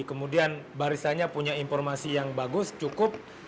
kemudian barisannya punya informasi yang bagus cukup